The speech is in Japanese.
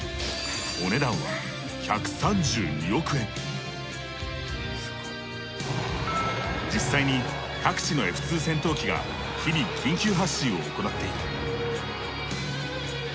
お値段は実際に各地のＦ−２戦闘機が日々緊急発進を行っている。